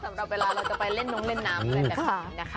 สำหรับเวลาเราจะไปเล่นน้องเล่นน้ำอะไรแบบนี้นะคะ